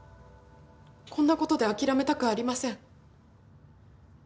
こんな事で諦めたくありません。